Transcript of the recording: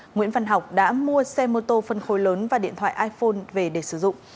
nguyễn văn học đã mua xe mô tô phân khối lớn và điện thoại iphone về để sử dụng